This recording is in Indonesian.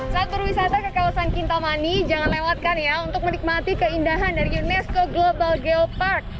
saat berwisata ke kawasan kintamani jangan lewatkan ya untuk menikmati keindahan dari unesco global geopark